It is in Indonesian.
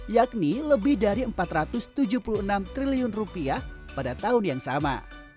yakni lebih dari empat ratus tujuh puluh enam triliun rupiah pada tahun yang sama